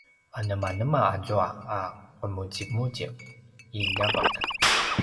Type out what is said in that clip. anemanema azua a qemuzimuzip i ljavek?